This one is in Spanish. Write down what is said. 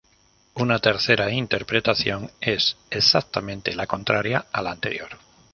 Una tercera interpretación es exactamente la contraria a la anterior.